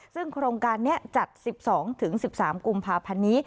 ซึ่งกรมการเนี้ยจัดสิบสองถึงสิบสามกุมภาพันนี้